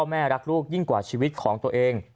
แม่รักลูกยิ่งกว่าชีวิตของตัวเอง